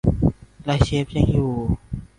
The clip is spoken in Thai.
และเชฟยังอยู่